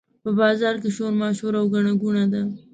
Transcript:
په بازار کې شورماشور او ګڼه ګوڼه ده.